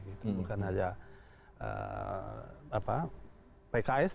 bukan hanya pks